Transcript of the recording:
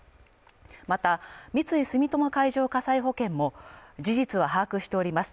また三井住友海上火災保険も事実は把握しております